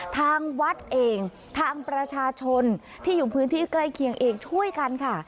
ทางวัดเองทางประชาชนที่อยู่พื้นที่ใกล้เคียงเองช่วยกันค่ะ